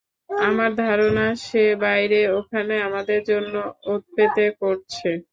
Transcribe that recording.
আমার ধারণা সে বাইরে ওখানে আমাদের জন্য ওতপেতে করছে।